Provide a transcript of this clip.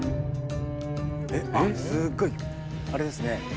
すごいあれですね。